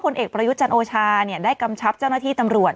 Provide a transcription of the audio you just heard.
ประยุทธจันทร์โอชาเนี่ยได้กำชับเจ้าหน้าที่ตำรวจ